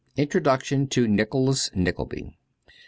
Introduction to 'Nicholas Nickleby.'